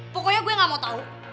pokoknya gue gak mau tahu